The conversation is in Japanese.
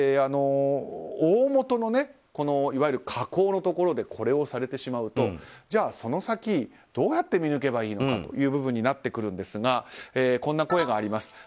大元のいわゆる加工のところでこれをされてしまうとその先、どうやって見抜けばいいのかという部分になってくるんですがこんな声があります。